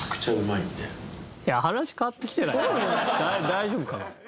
大丈夫かな？